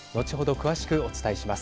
詳しくお伝えします。